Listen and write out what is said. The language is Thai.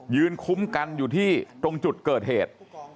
คุ้มกันอยู่ที่ตรงจุดเกิดเหตุ